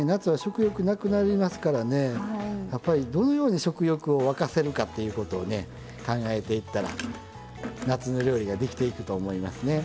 やっぱりどのように食欲を湧かせるかっていうことをね考えていったら夏の料理ができていくと思いますね。ね。